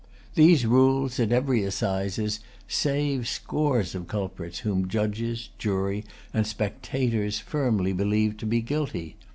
These rules, at every assizes, save scores of culprits whom judges, jury, and spectators, firmly believe to be guilty.